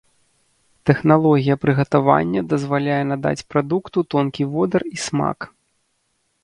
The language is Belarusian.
Тэхналогія прыгатавання дазваляе надаць прадукту тонкі водар і смак.